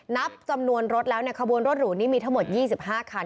นับจำนวนรถแล้วเนี่ยขบวนรถหรูนี่มีทั้งหมด๒๕คัน